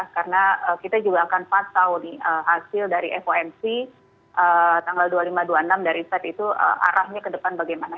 karena kita juga akan pas tau hasil dari fomc tanggal dua puluh lima dua puluh enam dari saat itu arahnya ke depan bagaimana